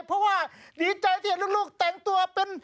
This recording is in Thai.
เพราะว่าดีใจที่ลูกแต่งตัวเป็น